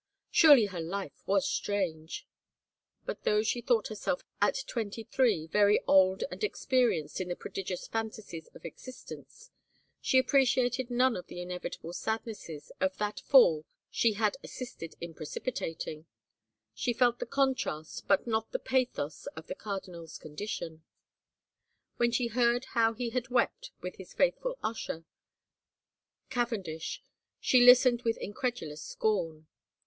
Surely her life was strange 1 But though she thought herself at twenty three very old and experienced in the prodigious fantasies of exist ence, she appreciated none of the inevitable sadnesses of that fall she had assisted in precipitating ; she felt the contrast but not the pathos of the cardinal's condition. When she heard how he had wept with his faithful usher, Cavendish, she listened with incredulous scorn.